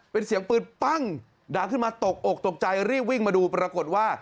เป็นเสียงปืนปั้งดังขึ้นมาตกอกตกใจรีบวิ่งมาดูปรากฏว่า